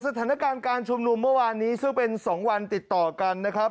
สถานการณ์การชุมนุมเมื่อวานนี้ซึ่งเป็น๒วันติดต่อกันนะครับ